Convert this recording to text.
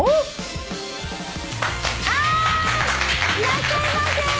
いらっしゃいませ。